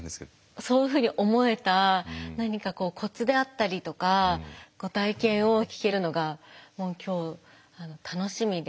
そういうふうに思えた何かコツであったりとか体験を聞けるのが今日楽しみで。